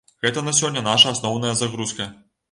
Гэта на сёння наша асноўная загрузка.